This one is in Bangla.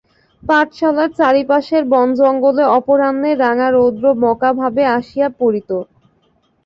পাঠশালার চারিপাশের বনজঙ্গলে অপরাহ্রের রাঙা রৌদ্র বঁকা ভাবে আসিয়া পড়িত।